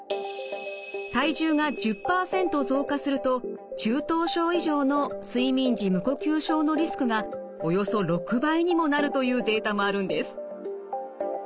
体重が１０％増加すると中等症以上の睡眠時無呼吸症のリスクがおよそ６倍にもなるというデータもあるんです。